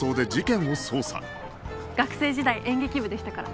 学生時代演劇部でしたから。